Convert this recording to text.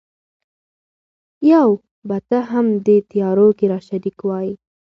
یو به ته هم دې تیارو کي را شریک وای